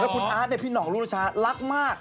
แล้วคุณอาทเนี่ยพี่หนองรู้ราชารักมาก